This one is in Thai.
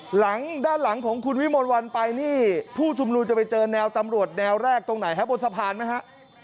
หลังด้านหลังของคุณวิมลวันไปนี่ผู้ชุมนุมจะไปเจอแนวตำรวจแนวแรกตรงไหนฮะบนสะพานไหมฮะ